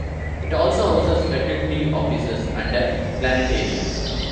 It also houses faculty offices and a planetarium.